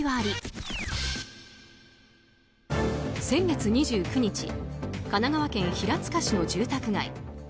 先月２９日神奈川県平塚市の住宅街。